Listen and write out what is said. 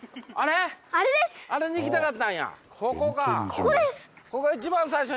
ここです！